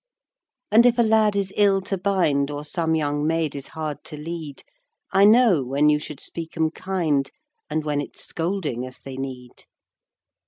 And if a lad is ill to bind, Or some young maid is hard to lead, I know when you should speak 'em kind, And when it's scolding as they need.